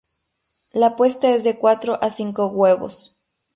La puesta es de cuatro a cinco huevos.